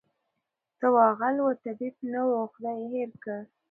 ته وا غل وو طبیب نه وو خدای ېې هېر کړ